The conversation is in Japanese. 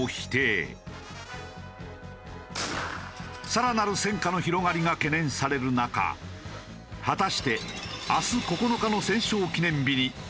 さらなる戦火の広がりが懸念される中果たして明日９日の戦勝記念日に大きな動きはあるのか？